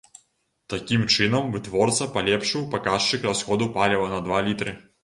Такім чынам вытворца палепшыў паказчык расходу паліва на два літры.